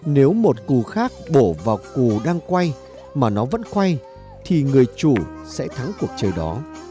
nếu một cù khác bổ vào cù đang quay mà nó vẫn quay thì người chủ sẽ thắng cuộc chơi đó